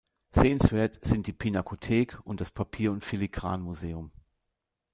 Sehenswert sind die Pinakothek und das Papier- und Filigran-Museum.